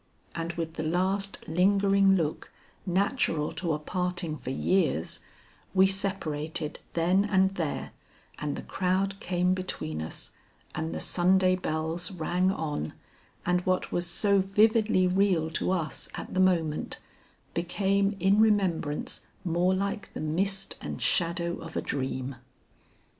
And with the last lingering look natural to a parting for years, we separated then and there, and the crowd came between us, and the Sunday bells rang on, and what was so vividly real to us at the moment, became in remembrance more like the mist and shadow of a dream.